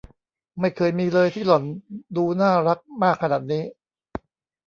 ไม่เคยมีเลยที่หล่อนดูน่ารักมากขนาดนี้